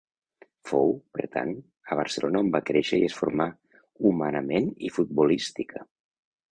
Fou, per tant, a Barcelona on va créixer i es formà, humanament i futbolística.